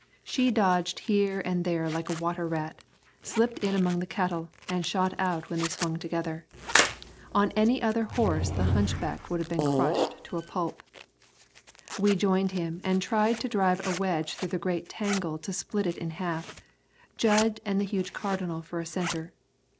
She dodged here and there like a water rat, slipped in among the cattle and shot out when they swung together. On any other horse the hunchback would have been crushed to pulp. We joined him and tried to drive a wedge through the great tangle to split it in half, Jud and the huge Cardinal for a centre.